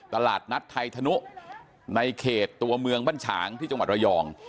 ตลาดนัดไทยธนุในเขตตัวเมืองบ้านฉางที่จังหวัดระยอง